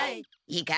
いいか？